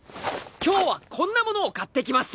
今日はこんなものを買ってきました。